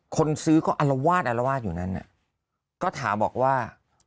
คนซื้อก็อลวาดอารวาสอยู่นั้นก็ถามบอกว่า